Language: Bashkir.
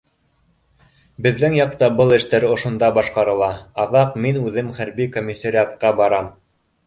Беҙҙең яҡта был эштәр ошонда башҡарыла, аҙаҡ мин үҙем хәрби комиссариатҡа барам